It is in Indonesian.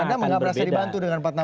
anda mengabrasi dibantu dengan pak nama itu